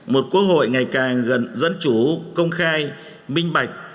một quốc hội ngày càng gần dân chủ công khai minh bạch